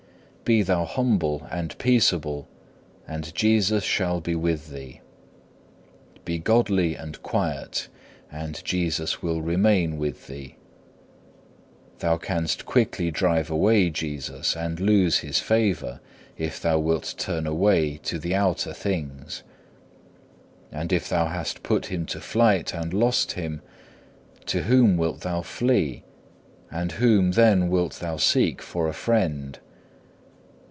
Be thou humble and peaceable and Jesus shall be with thee. Be godly and quiet, and Jesus will remain with thee. Thou canst quickly drive away Jesus and lose His favour if thou wilt turn away to the outer things. And if thou hast put Him to flight and lost Him, to whom wilt thou flee, and whom then wilt thou seek for a friend?